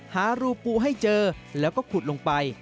หารูปูให้เจอแล้วก็ขุดลงไป